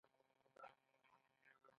د هلمند ځمکې ولې حاصلخیزه دي؟